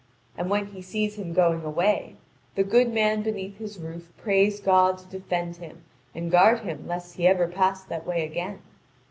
And when he sees him going away, the good man beneath his roof prays God to defend him and guard him lest he ever pass that way again.